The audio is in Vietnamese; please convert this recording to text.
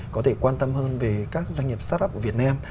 có thể quan tâm hơn về các doanh nghiệp start up của việt nam